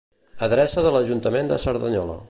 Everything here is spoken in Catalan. Adreça de l'Ajuntament de Cerdanyola.